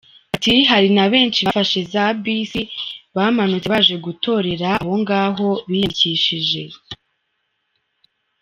Ati “Hari na benshi bafashe za bisi bamanutse baje gutorera aho ngaho biyandikishije.